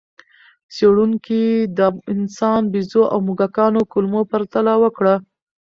څېړونکي د انسان، بیزو او موږکانو کولمو پرتله وکړه.